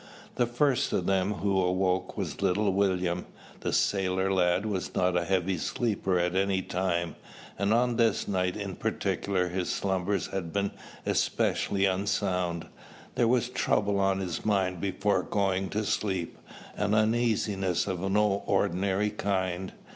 The first of them who awoke was little William. The sailor lad was not a heavy sleeper at any time, and on this night in particular his slumbers had been especially unsound. There was trouble on his mind before going to sleep, an uneasiness of no ordinary kind.